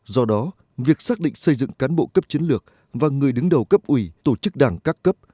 do đó việc xác định xây dựng cán bộ cấp chiến lược và người đứng đầu cấp ủy tổ chức đảng các cấp